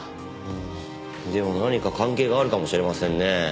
でも何か関係があるかもしれませんね。